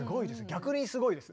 逆にすごいです。